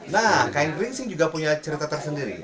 nah kain geringsing juga punya cerita tersendiri